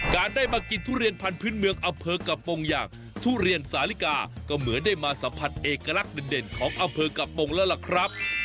การได้มากินทุเรียนพันธุ์เมืองอำเภอกะปงอย่างทุเรียนสาลิกาก็เหมือนได้มาสัมผัสเอกลักษณ์เด่นของอำเภอกะปงแล้วล่ะครับ